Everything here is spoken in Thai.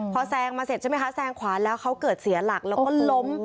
พอแซงมาเสร็จใช่ไหมคะแซงขวาแล้วเขาเกิดเสียหลักแล้วก็ล้ม